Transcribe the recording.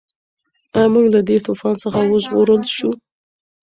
ایا موږ له دې طوفان څخه وژغورل شوو؟